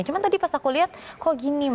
cuma tadi pas aku lihat kok gini